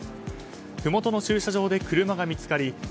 ふもとの駐車場で車が見つかり